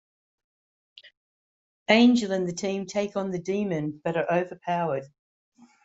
Angel and the team take on the demon but are overpowered.